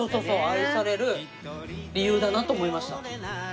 愛される理由だなと思いました。